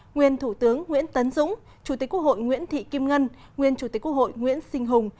nguyên thủ tướng nguyễn tấn dũng chủ tịch quốc hội nguyễn thị kim ngân nguyên chủ tịch quốc hội nguyễn sinh hùng